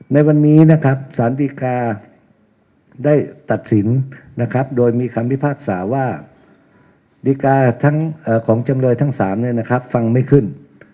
ในวันนี้สารรีกาได้ตัดสินโดยมีคำพิพักษารีกาของจำเลย๓ซึ่งฟ้างไม่ขึ้น